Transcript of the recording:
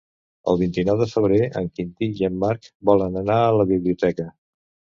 El vint-i-nou de febrer en Quintí i en Marc volen anar a la biblioteca.